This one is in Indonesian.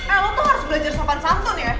eh lo tuh harus belajar sopan santun ya